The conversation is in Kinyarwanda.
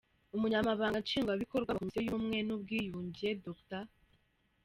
Umunyamabanga Nshingwabikorwa wa Komisiyo y’Ubumwe n’Ubwiyunge, Dr.